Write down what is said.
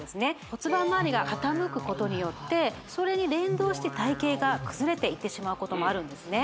骨盤周りが傾くことによってそれに連動して体形が崩れていってしまうこともあるんですね